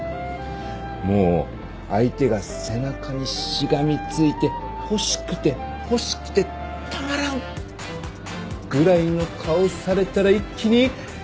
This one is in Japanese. もう相手が背中にしがみついて欲しくて欲しくてたまらん！ぐらいの顔されたら一気にがぶり。